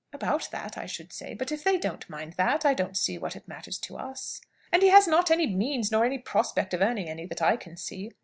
"About that, I should say. But if they don't mind that, I don't see what it matters to us." "And he has not any means, nor any prospect of earning any, that I can see."